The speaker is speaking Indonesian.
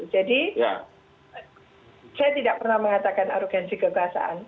jadi saya tidak pernah mengatakan arugansi kekuasaan